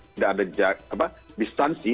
tidak ada distansi